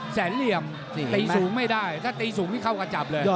เหลี่ยมตีสูงไม่ได้ถ้าตีสูงนี่เข้ากระจับเลย